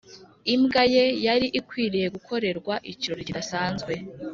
imbwa ye yari ikwiriye gukorerwa ikirori kidasanzwe